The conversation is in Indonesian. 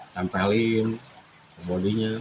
menempelkan ke badannya